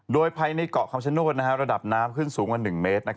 โดยภายในเกาะคำชโนธระดับน้ำขึ้นสูงกว่า๑เมตร